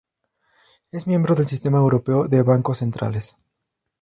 Es miembro del Sistema Europeo de Bancos Centrales.